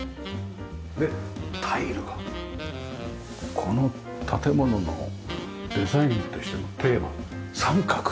でタイルがこの建物のデザインとしてのテーマ三角！